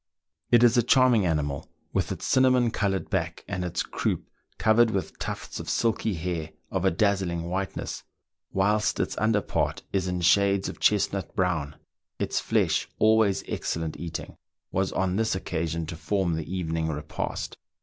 It is a charming animal, with its cinna mon coloured back, and its croup covered with tufts of silky hair of a dazzling whiteness, whilst its under part is in shades of chestnut brown ; its flesh, always excellent eating, was on this occasion to form the evening repast.